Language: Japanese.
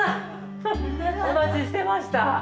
お待ちしてました。